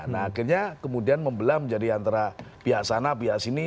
nah akhirnya kemudian membelam jadi antara pihak sana pihak sini